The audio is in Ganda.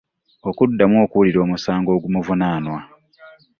Okuddamu okuwulira omusango ogumuvunaanwa.